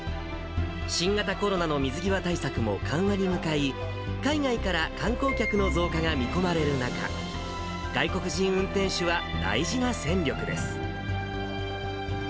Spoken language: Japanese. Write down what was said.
新型コロナの水際対策も緩和に向かい、海外から観光客の増加が見込まれる中、外国人運転手は大事な戦力です。